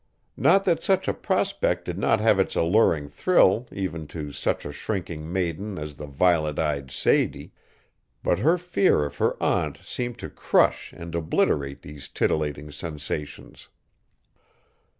Not that such a prospect did not have its alluring thrill even to such a shrinking maiden as the violet eyed Sadie, but her fear of her aunt seemed to crush and obliterate these titillating sensations.